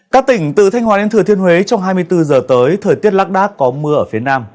các tỉnh từ thanh hòa đến thừa thiên huế trong hai mươi bốn giờ tới thời tiết lắc đác có mưa ở phía nam